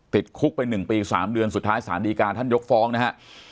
ติดคุกไป๑ปี๓เดือนสุดท้ายสารดีการท่านยกฟ้องนะฮะ